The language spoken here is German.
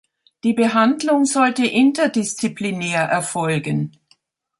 Die Behandlung sollte interdisziplinär erfolgen.